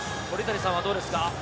鳥谷さんはどうですか？